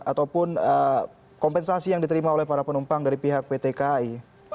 ataupun kompensasi yang diterima oleh para penumpang dari pihak pt kai